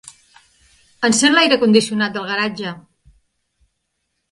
Encén l'aire condicionat del garatge.